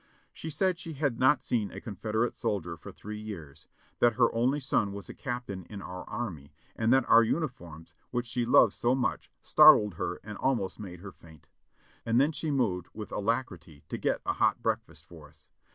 She said she had not seen a Confed erate soldier for three years, that her only son was a captain in our army, and that our unifoiTns, which she loved so much, star tled her and almost made her faint. Then she moved with alac rity to get a hot breakfast for us.